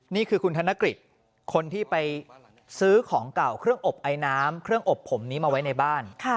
นี่คือคุณธนกฤษคนที่ไปซื้อของเก่าเครื่องอบไอน้ำเครื่องอบผมนี้มาไว้ในบ้าน